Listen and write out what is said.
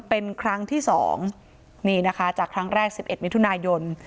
เป็นครั้งที่สองนี่นะคะจากครั้งแรกสิบเอ็ดมิถุนายน